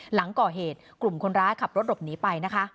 หลังก่อเหตุกลุ่มคนร้ายขับรถหลบหนีไปนะคะ